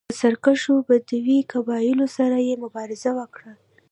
له سرکښو بدوي قبایلو سره یې مبارزه وکړه